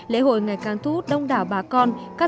lễ hội ngày càng thu hút đông đảo bà con